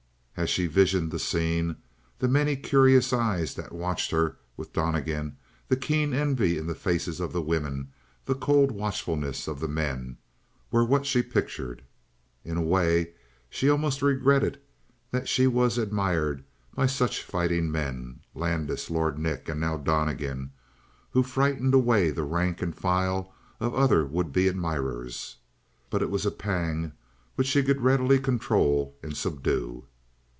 As she visioned the scene, the many curious eyes that watched her with Donnegan; the keen envy in the faces of the women; the cold watchfulness of the men, were what she pictured. In a way she almost regretted that she was admired by such fighting men, Landis, Lord Nick, and now Donnegan, who frightened away the rank and file of other would be admirers. But it was a pang which she could readily control and subdue.